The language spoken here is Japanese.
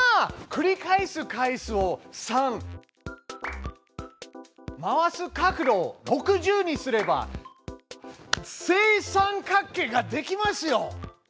繰り返す回数を「３」回す角度を「６０」にすれば正三角形ができますよ！